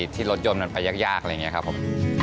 ที่รถยนต์มันไปยากอะไรอย่างนี้ครับผม